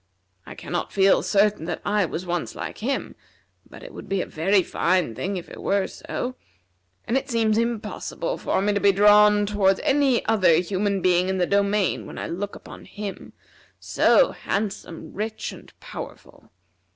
I cannot feel certain that I was once like him, but it would be a very fine thing if it were so; and it seems impossible for me to be drawn toward any other being in the domain when I look upon him, so handsome, rich, and powerful.